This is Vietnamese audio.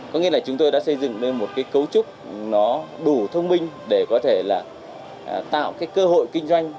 có nghĩa là chúng tôi đã xây dựng nên một cấu trúc đủ thông minh để có thể tạo cơ hội kinh doanh